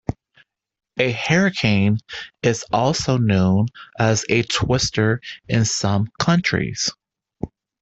A hurricane is also known as a twister in some countries.